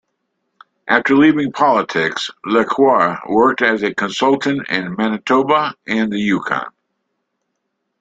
After leaving politics, Lecuyer worked as a consultant in Manitoba and the Yukon.